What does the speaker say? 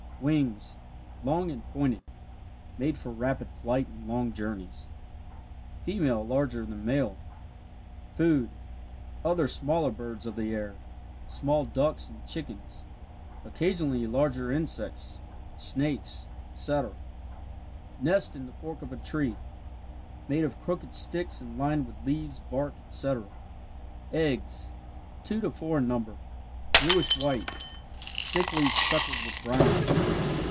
Wings long and pointed made for rapid flight and long journeys. Female larger than male. Food other smaller birds of the air small ducks and chickens occasionally larger insects, snakes, etc. Nest in the fork of a tree made of crooked sticks and lined with leaves, bark, etc. Eggs two to four in number, bluish white, thickly speckled with brown.